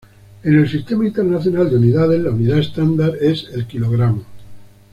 En el Sistema Internacional de Unidades la unidad estándar es el kilogramo.